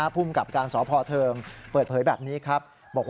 ผู้มกับการสอพอเทิงเปิดเผยแบบนี้ครับ